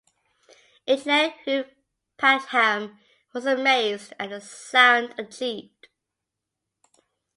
Engineer Hugh Padgham was amazed at the sound achieved.